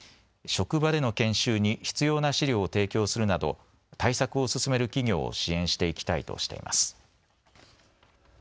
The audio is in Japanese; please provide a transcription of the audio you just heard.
職場での研修に必要な資料を提供するなど対策を進める企業を支援していきたいとしています。